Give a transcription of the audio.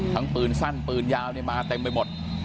ปืนสั้นปืนยาวมาเต็มไปหมด